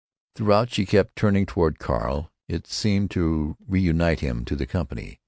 Throughout she kept turning toward Carl. It seemed to reunite him to the company.